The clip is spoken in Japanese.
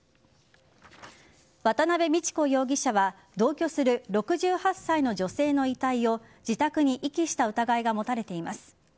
渡辺美智子容疑者は同居する６８歳の女性の遺体を自宅に遺棄した疑いが持たれています。